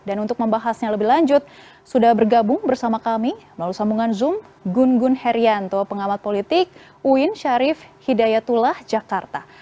dan untuk membahasnya lebih lanjut sudah bergabung bersama kami melalui sambungan zoom gun gun herianto pengamat politik uin syarif hidayatullah jakarta